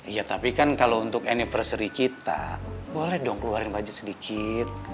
ya tapi kan kalau untuk anniversary kita boleh dong keluarin budget sedikit